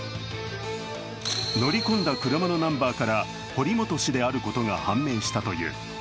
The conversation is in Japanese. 乗り込んだ車のナンバーから堀本氏であることが判明したという。